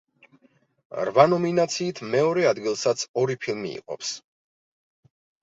რვა ნომინაციით მეორე ადგილსაც ორი ფილმი იყოფს.